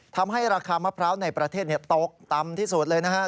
ทำให้ราคามะพร้าวในประเทศตกต่ำที่สุดเลยนะฮะ